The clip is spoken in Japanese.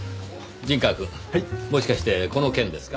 陣川くんもしかしてこの件ですか？